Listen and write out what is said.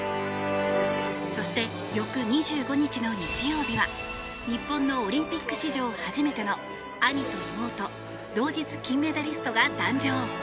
そして、翌２５日の日曜日は日本のオリンピック史上初めての兄と妹同日金メダリストが誕生。